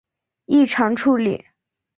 异常处理